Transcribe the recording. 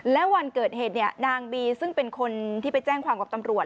และวันเกิดเหตุนางบีซึ่งเป็นคนที่ไปแจ้งความกับตำรวจ